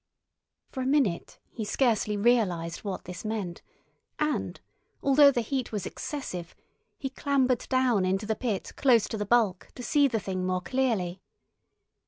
For a minute he scarcely realised what this meant, and, although the heat was excessive, he clambered down into the pit close to the bulk to see the Thing more clearly.